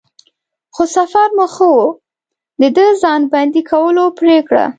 خو سفر مو ښه و، د د ځان بندی کولو پرېکړه.